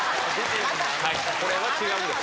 これは違うんです。